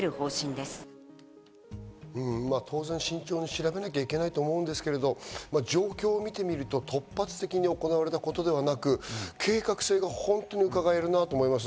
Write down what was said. まぁ当然慎重に調べなきゃいけないと思うんですけど、状況を見てみると、突発的に行われたことではなく、計画性が本当に伺えるなと思います。